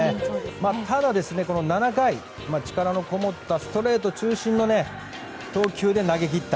ただ、７回力のこもったストレート中心の投球で投げ切った。